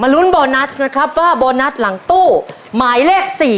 ลุ้นโบนัสนะครับว่าโบนัสหลังตู้หมายเลข๔